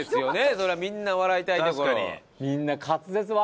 そりゃみんな笑いたいところを。